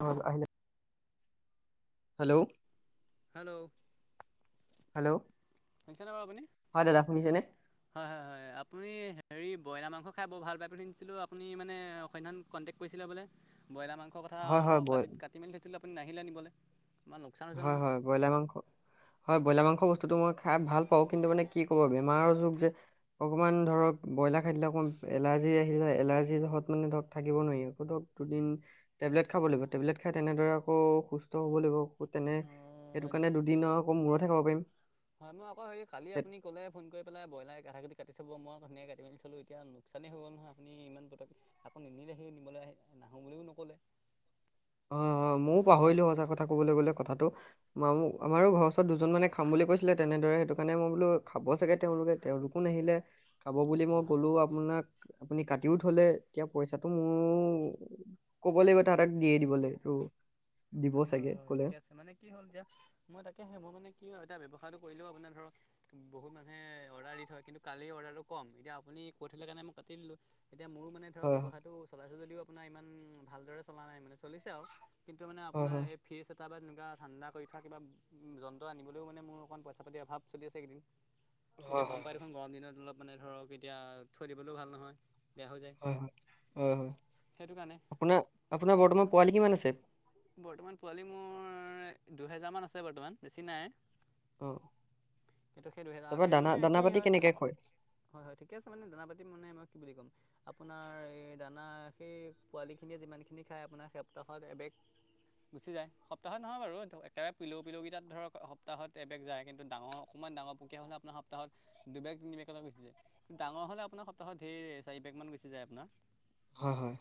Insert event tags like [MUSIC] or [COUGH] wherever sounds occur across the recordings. ন আহিল। Hello. Hello hello শুনিছেনে বাৰু আপুনি? হয়, দাদা শুনিছে নে? হয়- হয়- হয়, আপুনি হেৰি ব্ৰইলাৰ মাংস খাই বৰ ভাল পাই বুলি শুনিছিলো, আপুনি মানে সইদিনাখন, কণ্টেক্ট কৰিছিলে বোলে। বইলা মাংসৰ কথা হয় মই হয় বই কাটি- কাটি মেলি থৈছিলোঁ, আপোনি নাহিলে নিবলৈ। আমাৰ লোকচান হৈছে হয়- নহয়। হয়, ব্ৰইলাৰ মাংস। হয়, ব্ৰইলাৰ মাংস বস্তুটো মই খাই ভাল পাওঁ। কিন্তু মানে কি ক'ব, বেমাৰৰ যুগ যে। অকণমান ধৰক, ব্ৰইলাৰ খাই দিলে অকণমান এলাৰ্জি আহিলে, এলাৰ্জিত মানে ধৰক থাকিব নোৱাৰি। আকৌ তোৰ দুদিন টেবলেট খাব লাগিব। টেবলেট খাই তেনেদৰে আকৌ সুস্থ হ'ব লাগিব। তেনে, অঁ হয় সেইটো নি? কাৰণে দুদিন আকৌ মূৰতহে খাব পাৰিম। হয়, মই আকৌ হেৰি কালি আপুনি ক'লে, ফোন কৰি পেলাই ব্ৰইলাৰ কা কি কাটি চব। মই ধুনীয়া কাটি মেলি থলো এতিয়া। চালেই হৈ গ'ল নহয়। আপুনি ইমান পতক আকৌ নিনিলে সি নিবলৈ আহিম বুলিও নক'লে। হয়- হয় ময়ো পাহৰিলো। সঁচা কথা কবলৈ গ'লে কথাটো। মামু, আমাৰো ঘৰ ওচৰত দুজন মানে খাম বুলি কৈছিলে। তেনেদৰে সেইটো কাৰণে মই বোলো খাব চাগে তেওঁলোকে। তেওঁলোকো নাহিলে খাব বুলি হয় মই হয়। ক'লো আ আপোনাক আপুনি কাটিও থলে এতিয়া পইচাটো মোৰ ক'ব লাগিব তাহাতক। দিয়ে দিবলৈ তো। অ, ঠিকে আছে মানে। কি হ'ল এতিয়া মই তাকে সে মোৰ মানে কি এতিয়া ব্যৱসায়টো কৰিলোও আপোনাৰ ধৰক, বহুত মানে অৰ্ডাৰ দি থয়। কিন্তু কালি অৰ্ডাৰটো কম। এতিয়া আপুনি কৈ থলে কাৰণে মই কাটি দিলো। এতিয়া মোৰ মানে, ধৰক হয় ব্যৱসায়টো চলাইছো যদিও আপোনাৰ ইমান ভালদৰে চলা নাই। মানে চলিছে আৰু কিন্তু মানে। হয় আপোনাৰ হয় এই ফিজ এ তাৰপৰা এনেকুৱা ঠাণ্ডা কৰি থোৱা, কিবা যন্ত্ৰ অনিবলৈও মানে মোৰ অকণ পইচা পাতি অভাৱ চলি আছে এইকেইদিন। হয় হয় এতিয়া গম হয় পাই দেখোন গৰম দিনত, অলপ মানে ধৰক, এতিয়া থৈ দিবলৈও ভাল নহয়। বেয়া হৈ যায় হয়- হয়-হয়- হয়, সেইটো কাৰণে আপোনাৰ- আপোনাৰ বৰ্তমান পোৱালি কিমান আছে? বৰ্তমান পোৱালি মোৰ, দুহেজাৰমান আছে। বৰ্তমান বেছি নাই। অ সেইটো সেই তাৰপৰা দুহেজাৰ দানা মানে দানা কি পাতি হয়। কেনেকে খয় হয়- হয় ঠিক আছে। মানে দানা পাতি মানে মই কি বুলি ক'ম। আপোনাৰ এই দানা, সেই পোৱালিখিনিয়ে যিমানখিনি খায়, আপোনাৰ সেই সপ্তাহত এবেগ। গুচি যায়। সপ্তাহত নহয় বাৰু একেবাৰে পিলৌ পিলুকেইটাত ধৰক সপ্তাহত এবেগ যায়। কিন্তু ডাঙ অকমান ডাঙৰ পকীয়া হলে, আপোনাৰ সপ্তাহত দুবেগ, তিনিবেগলে গুচি যায়। ডাঙৰ হলে আপোনাৰ, সপ্তাহত ধেৰ চাৰি বেগ মান গুছি যায় আপোনাৰ। হয়- হয়,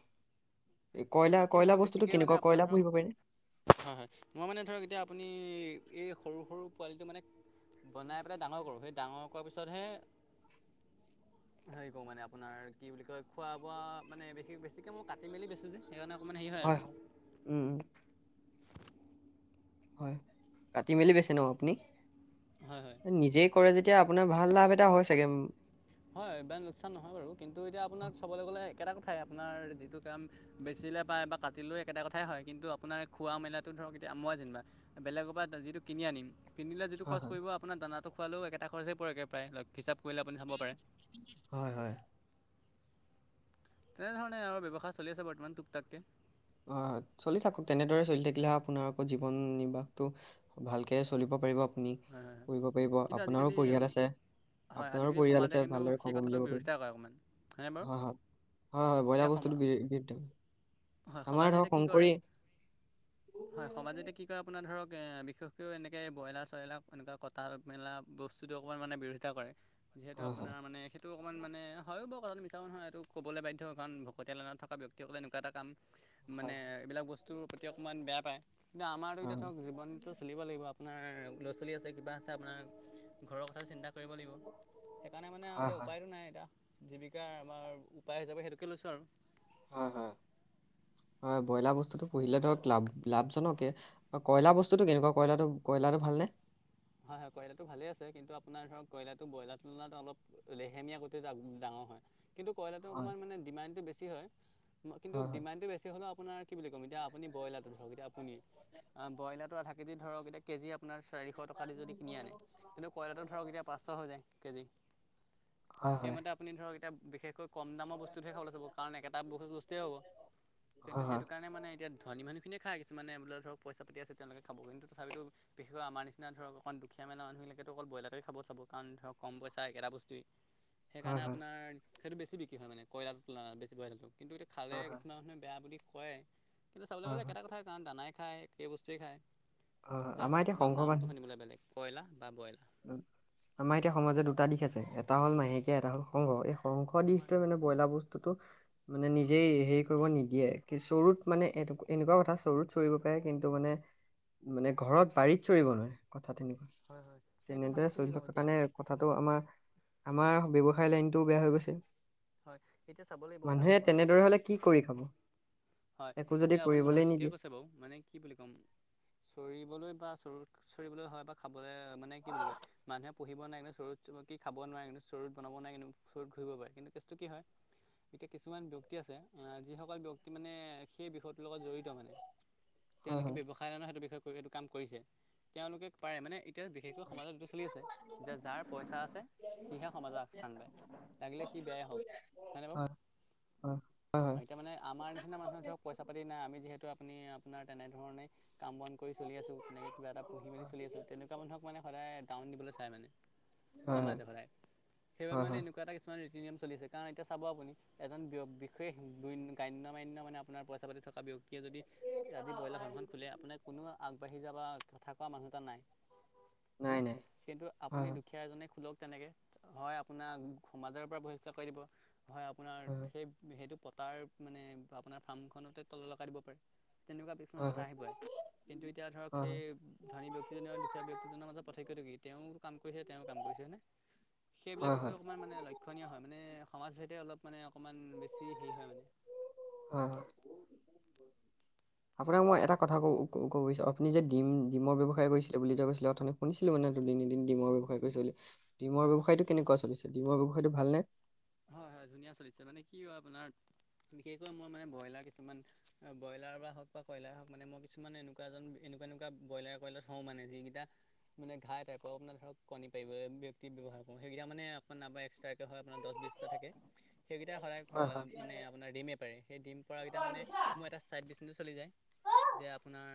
কয়লা- বাকী মই কয়লাৰ বস্তুটো বেছিকৈ মানে কেনেকুৱা, আপোনাৰ কয়লা ধৰক পুহিব পাৰিনে? হয় হয় মই মানে ধৰক এতিয়া, আপুনি এই সৰু- সৰু পোৱালিটো মানে বনাই পেলাই ডাঙৰ কৰোঁ। সেই ডাঙৰ কৰা পিছতহে হেৰি কৰোঁ মানে। আপোনাৰ কি বুলি কয়, খোৱা বোৱা মানে বে বেছিকৈ মই কাটি মেলি বেছোঁ যে সেইকাৰণে অকমান হেৰি হয় আৰু উম উম হয় কাটি মেলি বেছে ন আপুনি? হয় হয় নিজেই কৰে যেতিয়া আপোনাৰ ভাল লাভ এটা হয় চাগে। হয় বেং লোকচান নহয় বাৰু কিন্তু এতিয়া আপোনাক চাবলৈ গ'লে একেটা কথাই আপোনাৰ যিটো কাম বেচিলে পায় বা কাটিলেও একেটা কথাই হয় কিন্তু আপোনাৰ খোৱা মেলাটো ধৰক এতিয়া মই যেনিবা বেলেগপা যিটো কিনি আনিম কিনিলে যিটো হয় খৰচ হয় পৰিব আপোনাৰ দানাটো খোৱালোঁ একেটা খৰচেই পৰেগে প্ৰায় হিচাপ কৰিলে আপুনি চাব পাৰে হয় হয় তেনেধৰণে আৰু ব্যৱসায় চলি আছে বৰ্তমান তুক তাককে অ চলি থাকক তেনেদৰে চলি থাকিলে আপোনাৰ জীৱন নিৰ্বাহটো ভালকে চলিব পাৰিব আপুনি হয় হয় হয় কৰিব পাৰিব কিন্তু আপোনাৰো আজিকালি পৰিয়াল আছে। হয় আপোনাৰো আজিকালি পৰিয়াল সমাজে আছে কিন্তু ভালদৰে সেই খবৰ কথাটোৰ উলিয়াব পাৰিম বিৰোধিতা কৰে অকণমান হয়নে বাৰু হয় হয়। হয় হয় এতিয়া ব্ৰইলাৰ সমা বস্তুটো বি হয়, সমাজে এতিয়া কি কৰে? হয় সমাজ এতিয়া কি কয়, আপোনাৰ ধৰক বিশেষকৈ এনেকে ব্ৰইলাৰ চ্ৰইলাৰ এনেকুৱা ক তাত মেলা বস্তুটো অকণমান মানে বিৰোধিতা কৰে যিহেতু হয় হয় আপোনাৰ মানে সেইটো অকণমান মানে হয়ও বাৰু কথাটো মিছাও নহয় এইটো কবলে বাধ্য কাৰণ ভকতীয়া লোণত থকা ব্যক্তিসকলে এনেকুৱা এটা কাম হয় মানে এইবিলাক বস্তুৰ প্ৰতি অকণমান বেয়া পায় কিন্তু আমাৰো এতিয়া হয় ধৰক জীৱন টো চলিব লাগিব আপোনাৰ ল'ৰা-ছোৱালী আছে কিবা আছে আপোনাৰ ঘৰৰ কথা চিন্তা কৰিব লাগিব, সেইকাৰণে মানে আৰু হয় এতিয়া হয় উপায়ও নাই এতিয়া জীৱিকা আমাৰ উপায় হিচাপে সেইটোকে লৈছোঁ আৰু হয় হয় হয় ব্ৰইলাৰ বস্তুটো পুহিলে ধৰক লাভ লাভজনকে কয়লাৰ বস্তুটো কেনেকুৱা কয়লাৰটো কয়লাৰটো ভালনে? হয় হয় কইয়লাটো ভালেই আছে, কিন্তু আপোনাৰ ধৰক কইয়লাটো ব্ৰইলাৰ তুলনাত অলপ লেহেমীয়া গতিত ডাঙৰ হয়। কিন্তু কইয়লাৰটো হয় অকণমান মানে ডিমাণ্ডটো বেছি হয় কিন্তু হয় ডিমাণ্ডটো বেছি হ'লোঁ আপোনাৰ কি বুলি কম এতিয়া আপুনি ব্ৰইলাৰটো ধৰক এতিয়া আপুনি অ ব্ৰইলাৰটো আধা কেজি ধৰক এতিয়া কেজি আপোনাৰ চাৰি শ টকা দি যদি কিনি আনে কিন্তু কইয়লাৰটো ধৰক এতিয়া পাঁচশ হৈ যায় কেজি। হয় হয় হয় সেইমতে আপুনি ধৰক এতিয়া বিশেষকৈ কম দামৰ বস্তুটোহে খাবলৈ চাব কাৰণ একেটা বহুত বস্তুৱেই হ'ব কিন্তু হয় হয় সেইটো কাৰণে মানে এতিয়া ধনী মানুহখিনিয়ে খায় কিছুমানে বোলে ধৰক পইচা পাতি আছে তেওঁলোকে খাব কিন্তু তথাপিতো বিশেষকৈ আমাৰ নিচ এতিয়া ধৰক অকণমান দুখীয়া মানে মানুহবিলাকে অকল বয়লাৰেই খাব চাব। কাৰণ ধৰক কম পইচা একেটা বস্তুৱেই। হয় সেইকাৰণে হয় আপোনাৰ সেইটো বেছি বিক্ৰী হয় মানে কইয়লাৰটো তুলনাত বেছি ব্ৰইলাৰটো। কিন্তু এইটো- খালে হয় হয় হয় কিছুমান মানুহে বেয়া বুলি কয়, কিন্তু চাবলৈ হয় গ'লে হয় হয়। একেটা কথাই। কাৰণ দানাই খায়, একে বস্তুৱে খায়, জাষ্ট আমাৰ এতিয়া অকণমান সংঘ নামটো - মানুহ বোলে বেলেগ কয়লাৰ বা ব্ৰইলাৰ। আমাৰ এতিয়া সমাজত দুটা দিশ আছে এটা হ'ল মাহেকীয়া এটা হল সংঘ, এই সংঘ হয় দিশটো মানে- ব্ৰইলাৰ বস্তুটো- মানে নিজেই হেৰি কৰিব নিদিয়ে কি চৰুত মানে এনেকুৱা কথা চৰুত চৰিব পাৰে, কিন্তু মানে- মানে ঘৰত বাৰিত চৰিব নোৱাৰে কথা তেনেকুৱা। হয়ঁ হয়ঁ! তেনেকে চলি থকা কাৰণে কথাটো আমাৰ আমাৰ বব্যৱসায় লাইনটোও বেয়া হৈ গৈছে। হয়ঁ, এতিয়া চাব লাগিব মানুহে চালক সকলে। তেনেদৰে হলে কি কৰি খাব। হয়ঁ, একো যদি এতিয়া আপুনি কৰিবলৈ কথাটো ঠিকে নিদিয়ে কৈছে বাৰু মানে কি বুলি ক'ম। চৰিবলৈ বা চৰু চৰিবলৈ হয় বা খাবলৈ মানে কি বুলি কয়- মানুহে পুহিব নাই কিন্তু চৰুত কি খাব নোৱাৰে কিন্তু চৰুত বনাব নাই কিন্তু চৰুত ঘূৰিব পাৰে কিন্তু টেষ্ট টো কি হয়, এতিয়া কিছুমান ব্যক্তি আছে, আহ যিসকল ব্যক্তি- মানে সেই বিষয়টোৰ লগত জড়িত মানে হয় তেওঁলোকে হয় ব্যৱসা- নাই নাই সেইটো বিষয়ে এইটো কাম কৰিছে তেওঁলোকে পাৰে মানে- এতিয়া বিশেষকৈ সমাজত এইটো চলি আছে যে যাৰ পইচা আছে সিহে সমাজত আগস্থান পায়। লাগিলে সি বেয়াই হওঁক হয়নে বাৰু হয় হয় হয় এতিয়া মানে আমাৰ- নিচিনা মানুহৰ ধৰক পইচা পাতি নাই আমি যিহেতু আপনি আপোনাৰ তেনেধৰণে কাম বন কৰি চলি আছো তেনেকে কিবা এটা পুহি মেলি চলি আছো তেনেকুৱা মানুহক মানে সদায় ডাউন দিবলৈ চাই মানে। হয় হয় হয় হয় সমাজে সদায় সেইবাবে হয় মানে হয় এনেকুৱা এটা কে- কিছুমান ৰীতি নিয়ম চলিছে কাৰণ এতিয়া চাব আপুনি এজন বিশেষ গাণ্য- মান্য মানে আপোনাৰ পইচা পাতি থকা ব্যক্তিয়ে যদি আজি ব্ৰয়লাৰ ফাৰ্মখন খোলে আপোনাৰ কোনো আগবাঢ়ি - যাবা কথা কোৱা মানুহ এটা নাই। নাই হয়নে নাই কিন্তু হয় আপুনি হয় দুখীয়া এজনে খোলক তেনেকে- হয়ঁ আপোনাক সমাজৰ পৰা বহিষ্কাৰ কৰি দিব নহয় আপোনাৰ হয় সেই- সেইটো পতাৰ মানে আপোনাৰ ফাৰ্মখনতে তলা লগাই দিব পাৰে। তেনেকুৱা হয় কিছুমান হয় কথা হয় আহি পৰে কিন্তু এতিয়া ধৰক হয় সেই- ধনী ব্যক্তিজনে দুখীয়া ব্যক্তিজনৰ মাজত পাৰ্থক্য কি তেওঁ কাম কৰিহে তেওঁ কাম কৰিছে হয়নে। সেইবিলাক হয় হয় বিষয় অকণমান মানে লক্ষণীয় হয় মানে সমাজ ভেদে অলপ মানে অকণমান বেছি হেৰি হয় মানে। অঁ! [UNINTELLIGIBLE] আপোনাক মই এটা কথা ক কব বিচাৰোঁ আপুনি যে ডিম ডিমৰ ব্যৱসায় কৰিছিল বুলি কোৱা কৈছিলে অথনি। শুনিছিলো মানে দুদিন এদিন ডিমৰ ব্যৱসায় কৰিছে বুলি ডিমৰ হয় হয় ব্যৱসায়টো কেনেকুৱা চলি ডিমৰ ব্যৱসায়টো ভালনে? হয়ঁ হয়ঁ ধুনীয়া চলিছে মানে কি হয়ঁ আপোনাৰ। বিশেষকৈ মই মানে ব্ৰইলাৰ কিছুমান ব্ৰইলাৰ বা হওঁক কয়লাৰ হওঁক মানে মই কিছুমান এনে- কুৱা এনেকুৱা এনেকুৱা বইলাৰ কয়লা থও মানে যিকেইটা- মানে ঘাঁই টাইপৰ আপোনাৰ ধৰক কণী পাৰিব ব্যক্তি ব্যৱহাৰ কৰোঁ সেইকেইটা মানে আপোনাৰ এক্সট্ৰাকৈ হয় আপোনাৰ দহ বিশ- থাকে সেইকেইটা সদায় হয় কল হয় মানে আপোনাৰ ৰিমেপ। সেই ডিম পৰাকেইটা মানে মোৰ এটা ছাইড বিচনেছ চলি যায় যে আপোনাৰ।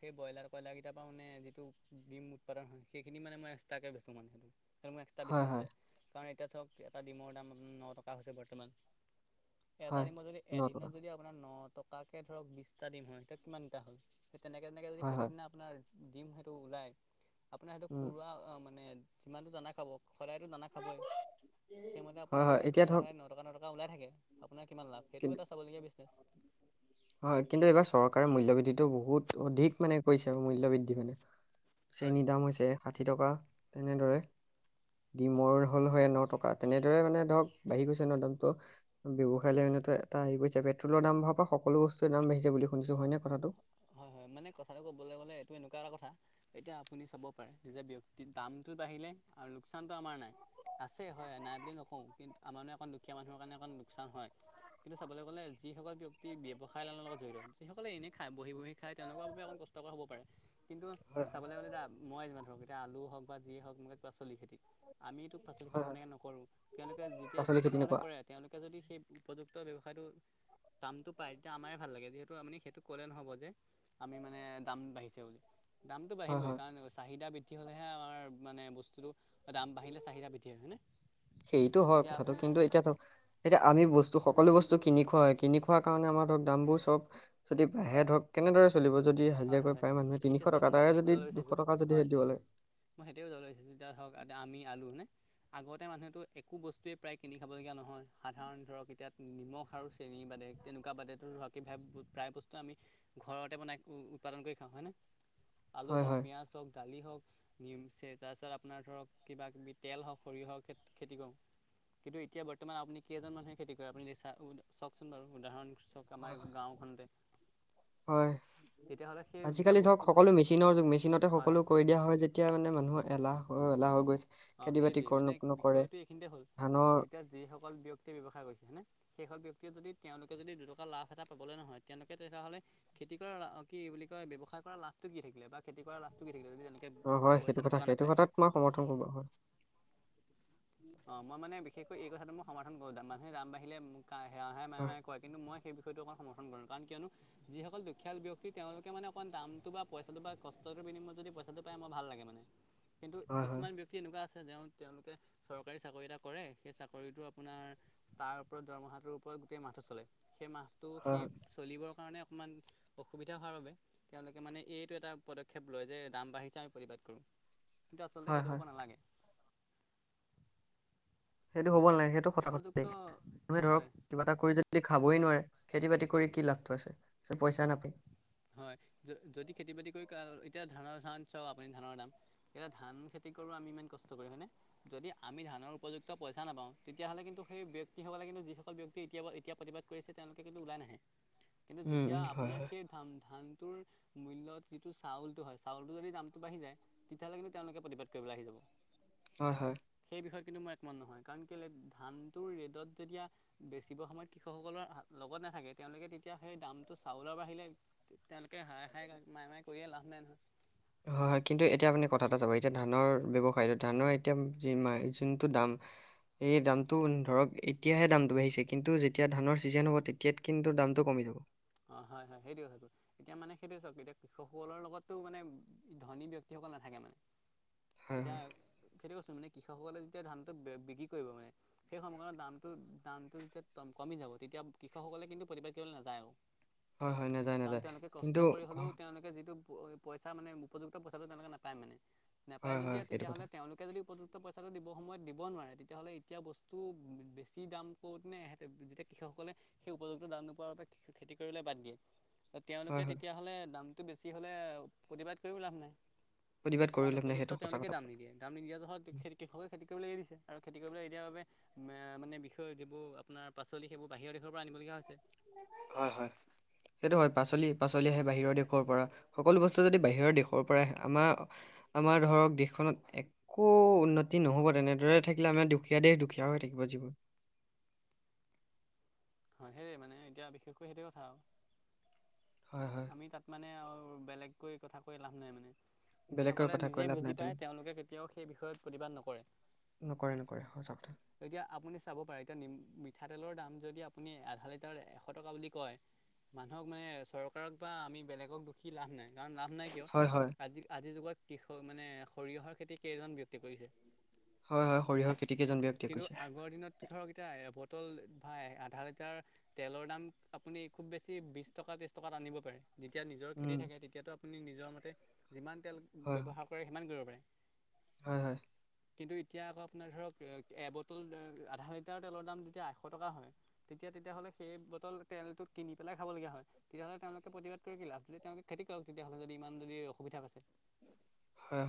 সেই ব্ৰইলাৰ কইলাৰ কেইটাৰ পৰা মানে যিটো ডিম উৎপাদন হয় সেইখিনি মানে মই এক্সট্ৰাকৈ বেচোঁ মানে। সেইটো মানে এক্সট্ৰা হয় বিজনেছ হৈ হয় যায় কাৰণ এতিয়া ধৰক এটা ডিমৰ দাম ন টকা হৈছে বৰ্তমান। এটা হয় দিমত যদি ন টকা এদিনত যদি আপোনাৰ ন টকাকে ধৰক বিশটা দিম হয় তাত কিমানটা হ'ল। সেই তেনেকৈ তেনেকৈ যদি হয় হয় প্ৰতিদিনা আপোনাৰ ডিম সেইটো ওলাই আপোনাৰ সেইটো উম খুৰা মানে। যিমানটো দানা খাব সদায়তো দানা খাবই। সেইমতে উমঁ! আপোনাৰ যদি সদায় সদায় নটকা নটকা ওলাই থাকে আপোনাৰ কিমান লাভ সেইটো কিন্তু এটা চাবলগীয়া বিজনেছ। হয় কিন্তু এইবাৰ চৰকাৰে মূল্যবৃদ্ধিটো বহুত অধিক মানে কৰিছে মূল্যবৃদ্ধি মানে। হয় চেনীৰ দাম হৈছে ষাঠি টকা তেনেদৰে হয় ডিমৰ হ'ল হয় ন টকা তেনেদৰে মানে ধৰক বাঢ়ি গৈছে নহ দামটো। ব্যৱসায় লাইনত এটা হেৰি কৰিছে পেট্ৰলৰ দাম বঢ়া পৰা সকলো বস্তু দাম বাঢ়িছে বুলি শুনিছো হয়নে কথাটো। হয়, হয় মানে কথাটো ক'বলৈ গ'লে এইটো এনেকুৱা এটা কথা। এতিয়া আপুনি চাব পাৰে যে ব্যক্তিত দামটো বাঢ়িলে আৰু লোকচানটো আমাৰ নাই। আছে হয় নাই বুলি নকওঁ কিন্তু আমাৰ [UNINTELLIGIBLE] অকণ দুখীয়া মানুহৰ কাৰণে অকন লোকচান হয়। কিন্তু চাবলৈ গ'লে যিসকল ব্যক্তি ব্যৱসায় লাইনৰ লগত জড়িত যিসকলে এনে খায় বহি, বহি খায় তেওলোকৰ বাবে অকণ কষ্টকৰ হ'ব পাৰে কিন্তু হয় হয় চাবলৈ গ'লে। [UNINTELLIGIBLE] মই যিমান ধৰক এতিয়া আলু হওক বা যিয়ে হওক [UNINTELLIGIBLE] খেতি আমিতো। পাচলি খেতি হয় হয় তেনেকৈ নকৰোঁ তেওঁলোকে যেতিয়া পাচলি খেতি যিসকলে নকৰা কৰে। তেওঁলোকে যদি সেই উপযুক্ত ব্যৱসায়টোৰ দামটো পায় তেতিয়া আমাৰে ভাল লাগে যিহেতু আপুনি সেইটো। ক'লে নহ'ব যে আমি মানে দাম বাঢ়িছে বুলি দামটো হয় বাঢ়িবই হয় কাৰণ চাহিদা বিদ বৃদ্ধি হ'লেহে আমাৰ মানে বস্তুটো দাম বাঢ়িলে চাহিদা বৃদ্ধি হয়, হয়নে। সেইটো হয় এতিয়া কথাটো আপুনি কিন্তু এতিয়া চাওক এতিয়া আমি বস্তু সকলো বস্তু। কিনি খোৱা হয় কিনি খোৱা কাৰণে আমাৰ ধৰক দামবোৰ চব যদি বাঢ়ে ধৰক কেনেদৰে চলিব যদি হয় হাজিৰা হয় কৰি হয় পায় মানুহে এতিয়া তিনিশ চাওক টকা মই তাৰে সেইটোৱে যদি বুজাবলৈ দুশ বিচাৰিছোঁ টকা যদিহে হয় দিব লাগে। মই [UNINTELLIGIBLE] যাব লাগিছিল [UNINTELLIGIBLE] আমি আলু নে? আগতে মানুহেতো একো বস্তুৱেই প্ৰায় কিনি খাবলগীয়া নহয় সাধাৰণ ধৰক এতিয়া নিমখ আৰু। চেনি বাদে তেনেকুৱা বাদেতো [UNINTELLIGIBLE] প্ৰায় বস্তু আমি ঘৰতে বনাই। উৎপাদন কৰি খাওঁ হয়নে, আলু হয় হওক হয় পিয়াজ হওক দালি হওক। [UNINTELLIGIBLE] তাৰপিছত আপোনাৰ ধৰক কিবা কিবি তেল হওক সৰিয়হ খেতি কৰোঁ। কিন্তু এতিয়া বৰ্তমান আপুনি কেইজন মানুহে খেতি কৰে আপুনি চাওকচোন বাৰু উদাহৰণটো চাওঁক। আমাৰ গাঁৱখনতে। হয়। তেতিয়াহ'লে যেতিয়া আজিকালি ধৰক বস্তুটো সকলো মেচিনৰ যুগ মেচিনতে হয় সকলো হয় কৰি দিয়া হয় যেতিয়া মানে মানুহৰ এলাহ এলাহ হৈ গৈছে অঁ খেতি বাতি সেইটোৱেই মানে নকৰে বিষয়টো এইখিনিতে হ'ল ধানৰ এতিয়া যিসকল ব্যক্তিয়ে ব্যৱসায় কৰিছে হয়নে। সেইসকল ব্যক্তিয়ে যদি তেওঁলোকে যদি দুটকা লাভ এটা পাবলে নহয় তেওঁলোকে তেতিয়াহ'লে খেতি কি বুলি কয় ৱ্যৱসায় কৰা লাভটো কি থাকিলে বা খেতি কৰা লাভটো কি থাকিলে যদি তেনে অ' হয় সেইটো কথা সেইটো কথাত মই সমৰ্থন। [UNINTELLIGIBLE] অ' মই মানে বিশেষকৈ এই কথাটো মই সমৰ্থন কৰো মানুহে বাঢ়িলে হয় [UNINTELLIGIBLE] কৰে কিন্তু মই। সেই বিষয়টো অকণ সমৰ্থন কৰোঁ কাৰণ কিয়নো যিসকল দুখীয়াল ব্যক্তি তেওঁলোকে মানে অকণ দামটো বা পইচাটো বা কষ্টৰ বিনিময়ত যদি পইচাটো পায় মোৰ ভাল লাগে মানে। কিন্তু হয় হয় কিছুমান ব্যক্তি এনেকুৱা আছে যে তেওঁলোকে চৰকাৰী চাকৰি এটা কৰে সেই চাকৰিটো আপোনাৰ তাৰ ওপৰত দৰমহাটোৰ ওপৰত গোটেই মাহটো চলে সেই মাহটো হয় সেই চলিবৰ কাৰণে অকণমান অসুবিধা হোৱাৰ বাবে। তেওঁলোকে মানে এইটো এটা পদক্ষেপ লয় যে দাম বাঢ়িছে আমি প্ৰতিবাদ কৰোঁ। কিন্তু আচলতে হয় সেইটো হ'ব হয় নালাগে। সেইটো হ'ব নালাগে সঁচা কথা উপযুক্ত দেই তুমি ধৰক হয় কিবা এটা কৰি যদি খাবই নোৱাৰে। খেতি বাতি কৰি কি লাভটো আছে [UNINTELLIGIBLE] পইচা নাপায়। হয় যদি খেতি বাতি কৰি এতিয়া ধানৰ ধান চাওঁ ধানৰ দাম। এতিয়া ধান খেতি কৰোঁ আমি ইমান কষ্ট কৰি হয়নে। যদি আমি ধানৰ উপযুক্ত পইচা নাপাওঁ তেতিয়াহ'লে কিন্তু সেই ব্যক্তিসকলে কিন্তু যিসকল ব্যক্তি এতিয়া এতিয়া প্ৰতিবাদ কৰিছে তেওঁলোকে কিন্তু ওলাই নাহে। কিন্তু উম যেতিয়া উম হয় আপোনাৰ হয় সেই ধান ধানটোৰ মূল্যত যিটো চাউলটো হয় চাউলটো যদি দামটো বাঢ়ি যায়। তেতিয়াহ'লে কিন্তু তেওঁলোকে প্ৰতিবাদ কৰিবলৈ আহি যাব। হয়, হয়। সেই বিষয়ে কিন্তু মই একমত নহয়, কাৰণ কেইলে ধানটোৰ ৰে'ডত যেতিয়া বেছিবৰ সময়ত কৃষকসকলৰ লগত নাথাকে তেওঁলোকে তেতিয়া সেই দামটো চাউলৰ বাঢ়িলে তেওঁলোকে হায়ে হায় মায়ে মায়ে কৰিয়ে লাভ নাই নহয়। হয়, হয়, কিন্তু এতিয়া আপুনি কথা এটা চাব এতিয়া ধানৰ ব্যৱসায়টো ধানৰ এতিয়া যিমান যোনটো দাম। এই দামটো ধৰক এতিয়াহে দামটো বাঢ়িছে কিন্তু যেতিয়া ধানৰ ছিজন হ'ব তেতিয়াত কিন্তু দামটো কমি যাব। অ', হয় হয় সেইটোৱে হৈ গৈ। এতিয়া মানে সেইটো চাওঁক এতিয়া কৃষকসকলৰ লগতো মানে ধনী ব্যক্তিসকল নাথাকে মানে। হয় এতিয়া হয় সেইটো কৈছো মানে কৃষকসকলে যেতিয়া ধানটো বিক্ৰী কৰিব মানে। সেই সময়কনত দামটো দামটো যেতিয়া কমি যাব তেতিয়া কৃষকসকলে কিন্তু প্ৰতিবাদ কৰিবলৈ নাযায় আৰু। হয়, হয়, নে কাৰণ তেওঁলোকে কষ্ট কৰি হ'লেও তেওঁলোকে যিটো পইচা মানে উপযুক্ত পইচাটো তেওঁলোকে নাপায় মানে। নাপায় হয় যদি হয় আৰু সেইটো কথা তেতিয়াহ'লে তেওঁলোক যদি উপযুক্ত পঁইচা দিব সময়ত দিব নোৱাৰে তেতিয়াহ'লে এতিয়া বস্তু বেছি দাম কৰোঁতে [UNINTELLIGIBLE] কৃষকসকলে সেই উপযুক্ত দাম নোপোৱাৰ বাবে খেতি কৰিবলৈ বাদ দিয়ে। হয় তেওঁলোকে হয় তেতিয়াহ'লে দাম টো বেছি হ'লে প্ৰতিবাদ কৰিবও লাভ নাই, প্ৰতিবাদ কৰি কাৰণ লাভ নাই সেইটো উপযুক্ত সঁচা তেওঁলোকেই কথা দাম নিদিয়ে। দাম নিদিয়া জহত খ-কৃষকে খেতি কৰিবলৈ এৰি দিছে আৰু খেতি কৰিবলৈ দিয়াৰ বাবে মানে বিষয় যিবোৰ আপোনাৰ পাচলি সেইবোৰ বাহিৰৰ দেশৰ পৰা আনিবলগীয়া হৈছে। হয়, হয়, সেইটো হয় পাচলি পাচলি বাহিৰ দেশৰ পৰা। সকলো বস্তু যদি বাহিৰৰ দেশৰ আহে আমাৰ আমাৰ ধৰক দেশখনত এক একো উন্নতি নহ'ব তেনেদৰে থাকিলে আমাৰ দুখীয়া দেশ দুখীয়া হৈ থাকিব যিবোৰ হয়, সেইয়ে মানে এতিয়া বিশেষকৈ সেইটোৱে কথা আৰু। হয়, হয়। আমি তাত আৰু বেলেগকৈ কথা কৈ লাভ নাই মানে। বেলেগকৈ যিসকলে কথা কৈ নিজেই লাভ নাই বুজি তেনে পায় তেওঁলোকে কেতিয়াও সেই বিষয়ত প্ৰতিবাদ নকৰে। নকৰে নকৰে সঁচা কথা। এতিয়া আপুনি চাব পাৰে, এতিয়া মিঠাতেলৰ দাম যদি আপুনি আধা লিটাৰ এশ টকা বুলি কয়। মানুহক মানে চৰকাৰক বা আমি বেলেগক দুখী লাভ নাই। কাৰণ লাভ নাই কিয় হয় হয় আজিৰ আজি যুগত কৃষক মানে সৰিয়হৰ খেতি কেইজন ব্যক্তিয়ে কৰিছে! হয়, হয়, সৰিয়হৰ খেতি কেইজন ব্যক্তিয়ে কিন্তু কৰিছিলে। আগৰ দিনত ধৰক এতিয়া এবটল বা আধা লিটাৰ তেলৰ দাম আপুনি খুব বেছি বিশ টকা ত্ৰিশ টকাত আনিব পাৰে। যেতিয়া নিজৰ খেতি উম থাকে তেতিয়াতো আপুনি নিজৰ মতে যিমান তেল হয় হয় ব্যৱহাৰ কৰে সিমানে কৰিব পাৰে। হয়, হয়। [INAUDIBLE] কিন্তু এতিয়া আকৌ আপোনাৰ ধৰক এবটল আধা লিটাৰ তেলৰ দাম তেতিয়া আশ টকা হয়। তেতিয়া তেতিয়াহ'লে সেই বটল তেলটোত কিনি পেলাই খাবলগীয়া হয়। তেতিয়াহ'লে তেওঁলোকে প্ৰতিবাদ কৰি কি লাভ? যদি তেওঁলোকে খেতি কৰক তেতিয়াহ'লে যদি ইমান যদি অসুবিধা পাইছে। হয়, হয়।